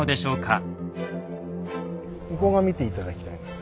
向こう側見て頂きたいんです。